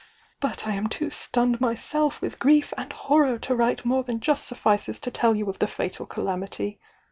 But I am too stunned my self witn grief and horror to write more than just suffices to tell you of the fatal calamity.